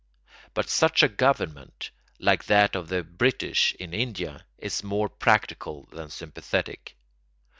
But such a government, like that of the British in India, is more practical than sympathetic.